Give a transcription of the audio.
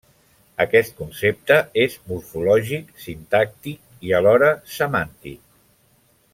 Aquest concepte és morfològic, sintàctic i, alhora, semàntic.